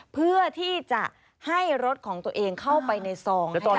เพื่อที่จะให้รถของตัวเองเข้าไปในซอง